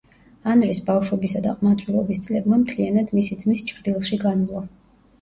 ანრის ბავშვობისა და ყმაწვილობის წლებმა მთლიანად მისი ძმის ჩრდილში განვლო.